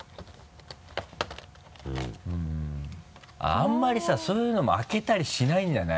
あんまりさそういうのも開けたりしないんじゃない？